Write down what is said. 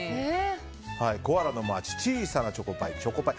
コアラのマーチ小さなチョコパイ、チョコパイ。